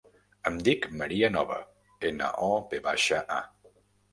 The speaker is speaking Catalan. Em dic Maria Nova: ena, o, ve baixa, a.